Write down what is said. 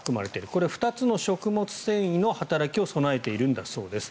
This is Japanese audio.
これは２つの食物繊維の働きを備えているんだそうです。